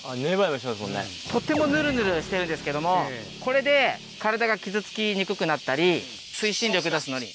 とってもぬるぬるしてるんですけどもこれで体が傷つきにくくなったり推進力出すのに。